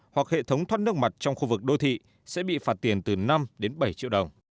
hoặc hệ thống thoát nước mặt trong khu vực đô thị sẽ bị phạt tiền từ năm đến bảy triệu đồng